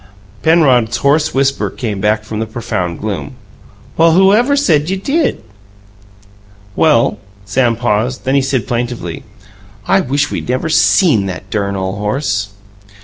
Penrod's hoarse whisper came from the profound gloom: "Well, who ever said you did?" "Well " Sam paused; then he said plaintively, "I wish we'd never SEEN that dern ole horse."